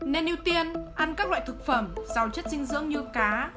nên ưu tiên ăn các loại thực phẩm giàu chất dinh dưỡng như cá